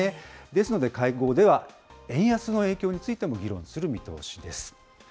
ですので、会合では円安の影響についても議論する見通しです。